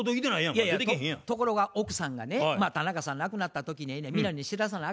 ところが奥さんがね田中さん亡くなった時にね皆に知らさなあ